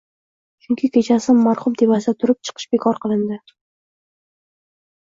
Chunki kechasi marhum tepasida turib chiqish bekor kilindi